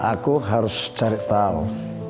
aku harus cari tau